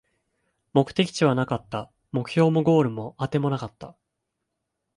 目的地はなかった、目標もゴールもあてもなかった